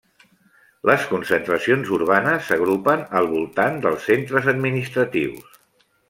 Les concentracions urbanes s'agrupen al voltant dels centres administratius.